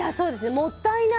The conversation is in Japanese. もったいない。